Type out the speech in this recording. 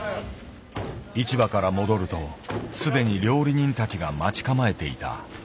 市場から戻ると既に料理人たちが待ち構えていた。